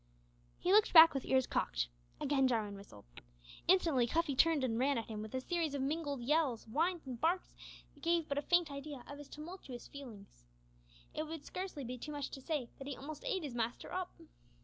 He looked back with ears cocked. Again Jarwin whistled. Instantly Cuffy turned and ran at him with a series of mingled yells, whines, and barks, that gave but a faint idea of his tumultuous feelings. It would scarcely be too much to say that he almost ate his master up.